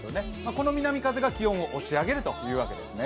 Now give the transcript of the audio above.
この南風が気温を押し上げるというわけですね。